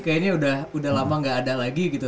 kayaknya udah lama gak ada lagi gitu